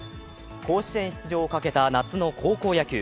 甲子園出場をかけた夏の高校野球。